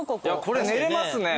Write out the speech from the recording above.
これ寝れますね。